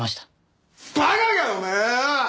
馬鹿かお前はよ！